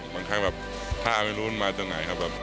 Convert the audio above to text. บางครั้งแบบผ้าไม่รู้มันมาจากไหนครับแบบ